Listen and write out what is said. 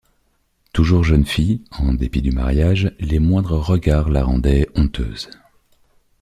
Toujours jeune fille, en dépit du mariage, les moindres regards la rendaient honteuse.